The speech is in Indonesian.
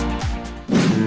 dengan luar negara